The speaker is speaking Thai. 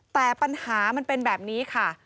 แต่ปัญหามันเป็นแบบนี้ค่ะ